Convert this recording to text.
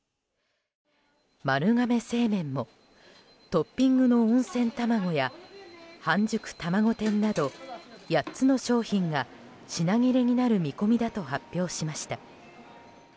丸亀製麺もトッピングの温泉卵や半熟卵天など８つの商品が品切れになる見込みだと発表しました。